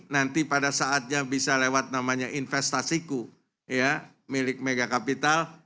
nanti pada saatnya bisa lewat namanya investasiku milik mega kapital